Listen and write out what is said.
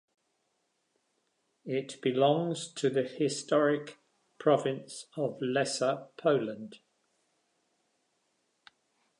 It belongs to the historic province of Lesser Poland.